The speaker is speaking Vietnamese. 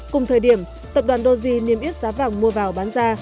cùng thời điểm tập đoàn doge niêm yết giá vàng mua vào bán ra